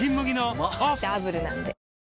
うまダブルなんで